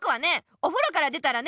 お風呂から出たらね